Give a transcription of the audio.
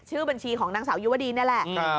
ชื่อบัญชีของนางสาวยุวดีนี่แหละ